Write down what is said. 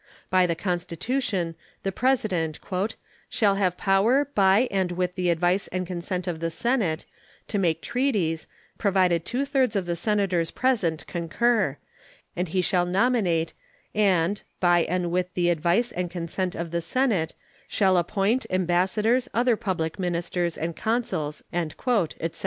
By the Constitution the President "shall have power, by and with the advice and consent of the Senate, to make treaties, provided two thirds of the Senators present concur; and he shall nominate, and, by and with the advice and consent of the Senate, shall appoint, ambassadors, other public ministers, and consuls," etc.